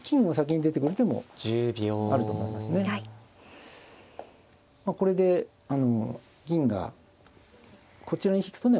まあこれで銀がこちらに引くとね